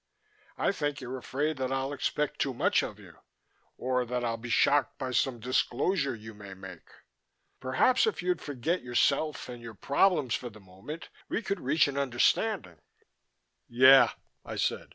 I think you're afraid that I'll expect too much of you or that I'll be shocked by some disclosure you may make. Perhaps if you'd forget yourself and your problems for the moment, we could reach an understanding " "Yeah," I said.